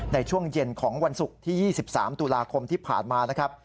ในช่วงเย็นของวันศุกร์ที่๒๓ตุลาคมที่ผ่านมานะครับ